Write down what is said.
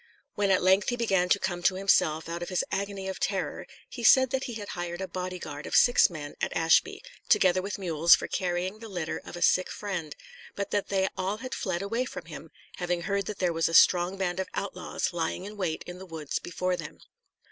When at length he began to come to himself out of his agony of terror, he said that he had hired a body guard of six men at Ashby, together with mules for carrying the litter of a sick friend; but that they all had fled away from him, having heard that there was a strong band of outlaws lying in wait in the woods before them.